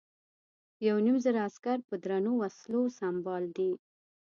یو نیم زره عسکر په درنو وسلو سمبال دي.